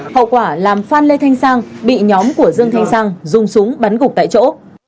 hậu quả làm phan lê thanh sang bị nhóm của dương thanh sang dùng súng bắn gục tại chỗ